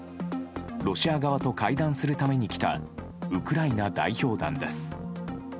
ロシア側と会談するために来たウクライナ代表団です。